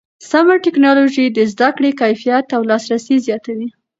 سمه ټکنالوژي د زده کړې کیفیت او لاسرسی زیاتوي.